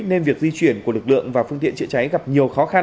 nên việc di chuyển của lực lượng và phương tiện chữa cháy gặp nhiều khó khăn